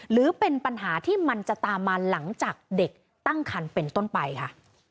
หรือเป็นปัญหาที่มันจะตามมาหลังจากเด็กตั้งคันเป็นต้นไปค่ะ